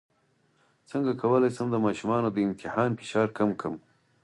څنګه کولی شم د ماشومانو د امتحان فشار کم کړم